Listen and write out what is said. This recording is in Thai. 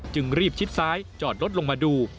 จึงรีบชิดซ้ายจอดรถลงมาดู